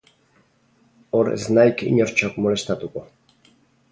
Hor ez naik inortxok molestatuko.